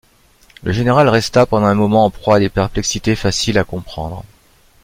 Le général resta pendant un moment en proie à des perplexités faciles à comprendre.